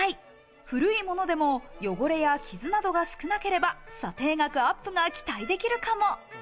古いものでも汚れや傷などが少なければ査定額アップが期待できるかも。